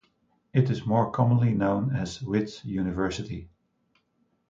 It is more commonly known as Wits University.